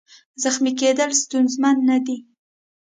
زخمي کېدل ستونزمن نه دي.